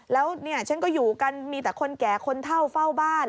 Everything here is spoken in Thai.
แล้วเนี่ยฉันก็อยู่กันมีแต่คนแก่คนเท่าเฝ้าบ้าน